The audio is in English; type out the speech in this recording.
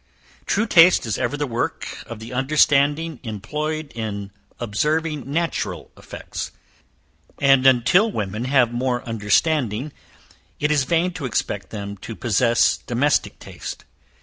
True taste is ever the work of the understanding employed in observing natural effects; and till women have more understanding, it is vain to expect them to possess domestic taste.